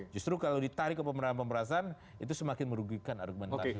justru kalau ditarik ke pemberasan itu semakin merugikan argumentasi hukum